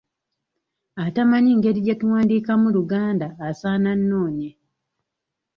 Atamanyi ngeri gye tuwandiikamu Luganda asaana annoonye.